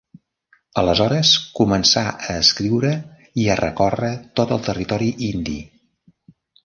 Aleshores començà a escriure i a recórrer tot el territori indi.